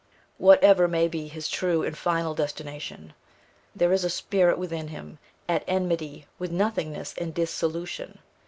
Whatever may be his true and final destination, there is a spirit within him at enmity with nothingness and dissolution.